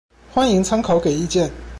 歡迎參考給意見